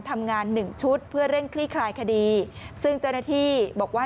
ทำงานหนึ่งชุดเพื่อเร่งคลี่คลายคดีซึ่งเจ้าหน้าที่บอกว่า